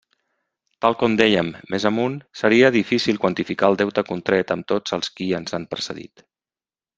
Tal com dèiem més amunt, seria difícil quantificar el deute contret amb tots els qui ens han precedit.